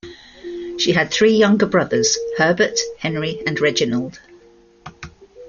She had three younger brothers, Herbert, Henry and Reginald.